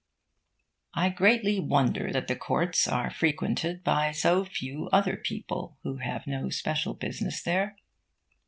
I greatly wonder that the courts are frequented by so few other people who have no special business there.